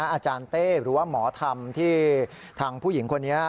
อาจารย์เต้หรือว่าหมอธรรมที่ทางผู้หญิงคนนี้